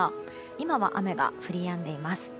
今は雨が降りやんでいます。